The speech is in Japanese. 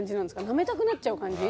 なめたくなっちゃう感じ？